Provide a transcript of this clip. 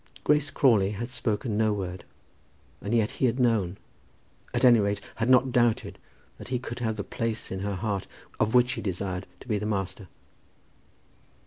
Grace Crawley had spoken no word, and yet he had known, at any rate had not doubted, that he could have the place in her heart of which he desired to be the master.